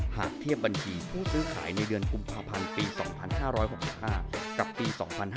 หากเทียบบัญชีผู้ซื้อขายในเดือนกุมภาพันธ์ปี๒๕๖๕กับปี๒๕๕๙